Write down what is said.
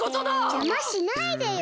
じゃましないでよ！